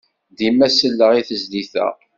Dima selleɣ i tezlit-a.